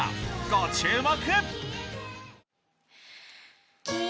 ご注目！